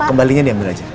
kembalinya diambil aja